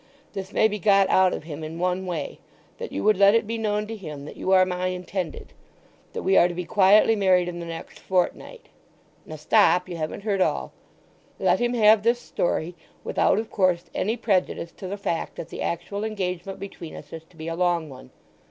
This may be got out of him in one way—that you would let it be known to him that you are my intended—that we are to be quietly married in the next fortnight.—Now stop, you haven't heard all! Let him have this story, without, of course, any prejudice to the fact that the actual engagement between us is to be a long one.